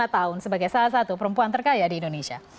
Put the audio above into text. lima tahun sebagai salah satu perempuan terkaya di indonesia